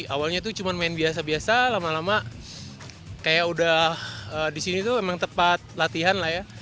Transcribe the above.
awalnya tuh cuma main biasa biasa lama lama kayak udah di sini tuh emang tempat latihan lah ya